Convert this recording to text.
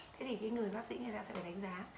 thế thì người bác sĩ sẽ phải đánh giá